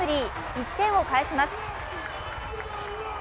１点を返します。